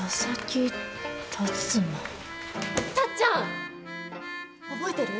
タッちゃん！覚えてる？